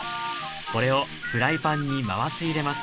これをフライパンに回し入れます